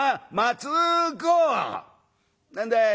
「何だい？」。